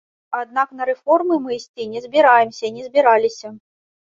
Аднак на рэформы мы ісці не збіраемся і не збіраліся.